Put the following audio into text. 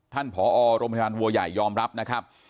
ผอโรงพยาบาลวัวใหญ่ยอมรับนะครับ